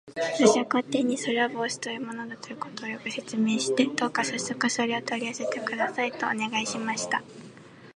私は皇帝に、それは帽子というものだということを、よく説明して、どうかさっそくそれを取り寄せてください、とお願いしました。